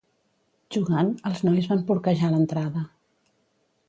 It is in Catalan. Jugant, els nois van porquejar l'entrada.